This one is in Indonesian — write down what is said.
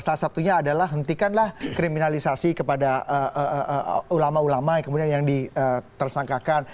salah satunya adalah hentikanlah kriminalisasi kepada ulama ulama yang tersangkakan